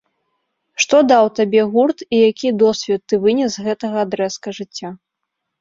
Што даў табе гурт, і які досвед ты вынес з гэтага адрэзка жыцця?